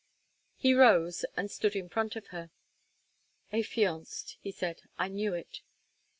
He rose and stood in front of her. "Affianced," he said, "I knew it.